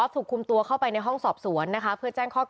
รวมถึงเมื่อวานี้ที่บิ๊กโจ๊กพาไปคุยกับแอมท์ท่านสถานหญิงกลาง